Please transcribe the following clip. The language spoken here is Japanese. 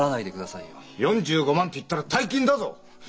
４５万って言ったら大金だぞ！